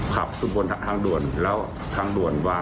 ขอบคุณนะคะ